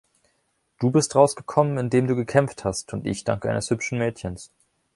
Du bist rausgekommen, indem du gekämpft hast, und ich dank eines hübschen Mädchens.